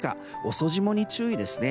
遅霜に注意ですね。